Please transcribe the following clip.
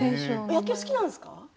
野球が好きなんですか？